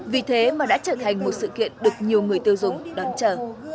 vì thế mà đã trở thành một sự kiện được nhiều người tiêu dùng đón chờ